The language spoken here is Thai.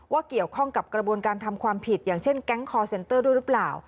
เกี่ยวข้องกับกระบวนการทำความผิดอย่างเช่นแก๊งคอร์เซ็นเตอร์ด้วยหรือเปล่า